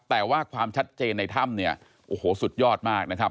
แต่ว่าความชัดเจนในถ้ำเนี่ยโอ้โหสุดยอดมากนะครับ